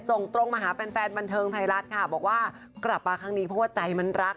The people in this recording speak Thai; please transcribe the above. ส่งตรงมาหาแฟนบันเทิงไทยรัฐค่ะบอกว่ากลับมาครั้งนี้เพราะว่าใจมันรัก